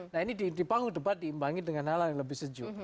nah ini di panggung debat diimbangi dengan hal yang lebih sejuk